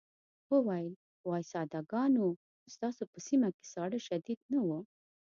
وویل وای ساده ګانو ستاسو په سيمه کې ساړه شديد نه وو.